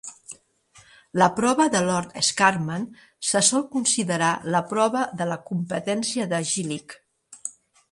La prova de Lord Scarman se sol considerar la prova de la "competència de Gillick".